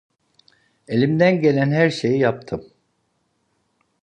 Elimden gelen her şeyi yaptım.